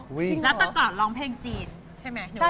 แล้วแต่ก่อนร้องเพลงจีดใช่มั้ย